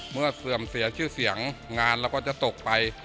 เสื่อมเสียชื่อเสียงงานเราก็จะตกไป